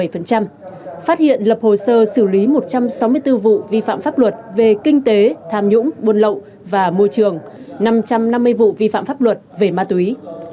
phát hiện lập hồ sơ xử lý một trăm sáu mươi bốn vụ vi phạm pháp luật về kinh tế tham nhũng buôn lậu và môi trường năm trăm năm mươi vụ vi phạm pháp luật về ma túy